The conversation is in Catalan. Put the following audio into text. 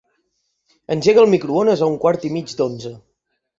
Engega el microones a un quart i mig d'onze.